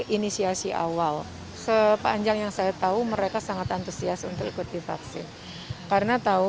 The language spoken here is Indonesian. inisiasi awal sepanjang yang saya tahu mereka sangat antusias untuk ikut divaksin karena tahu